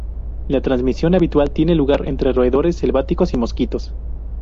La transmisión habitual tiene lugar entre roedores selváticos y mosquitos.